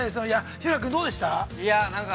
日向君、どうでしたか。